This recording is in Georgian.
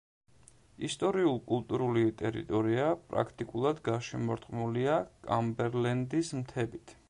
ისტორიულ-კულტურული ტერიტორია პრაქტიკულად გარშემორტყმულია კამბერლენდის მთებით.